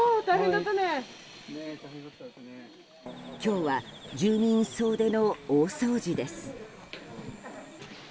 今日は住民総出の大掃除です。